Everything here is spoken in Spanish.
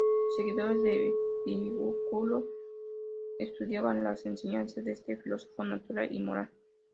Los seguidores de Epicuro estudiaban las enseñanzas de este filósofo natural y moral.